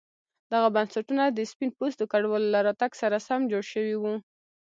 دغه بنسټونه د سپین پوستو کډوالو له راتګ سره سم جوړ شوي وو.